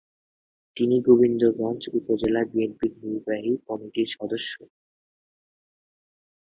তিনি গোবিন্দগঞ্জ উপজেলা বিএনপির নির্বাহী কমিটির সদস্য।